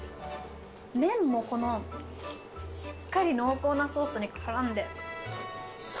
麺もこのしっかり濃厚なソースにからんで。